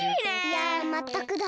いやまったくだ。